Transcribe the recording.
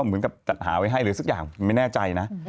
เหมือนกับจัดหาไว้ให้หรือสักอย่างไม่แน่ใจนะ